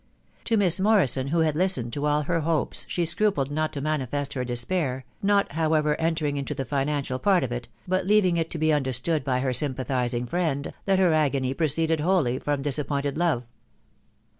To Miss Morrison, who had listened to all her hopes, she scrupled not to manifest her despair, not, however, entering into the financial part of it, hut leaving it to be understood by her sympathising friend, that her agony proceeded wholly from disappointed love.